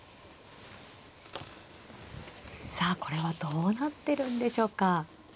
さあこれはどうなってるんでしょうか。